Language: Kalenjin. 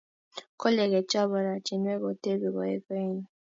kole kechop oratinwek kotebi koek geny